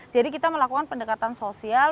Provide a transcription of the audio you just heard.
jadi kita melakukan pendekatan sosial